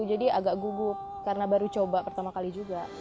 jadi agak gugup karena baru coba pertama kali juga